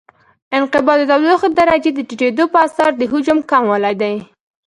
انقباض د تودوخې درجې د ټیټېدو په اثر د حجم کموالی دی.